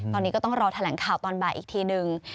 ตอนนี้ก็ต้องรอแถลงข่าวตอนบ่ายอีกทีนึง